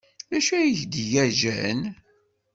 D acu ay d-tga Jane?